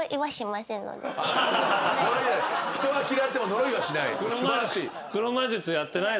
人は嫌っても呪いはしない。